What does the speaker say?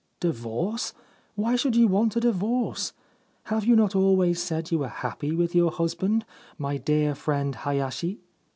4 Divorce ! Why should you want a divorce ? Have you not always said you were happy with your husband, my dear friend Hayashi